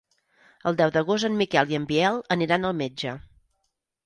El deu d'agost en Miquel i en Biel aniran al metge.